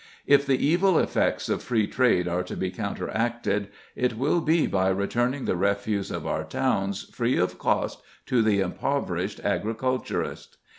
If the evil effects of free trade are to be counteracted, it will be by returning the refuse of our towns free of cost to the impoverished agriculturist.